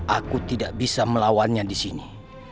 aku tidak bisa melawannya disini